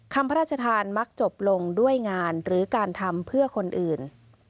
พระราชทานมักจบลงด้วยงานหรือการทำเพื่อคนอื่น